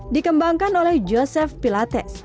dikembangkan oleh joseph pilates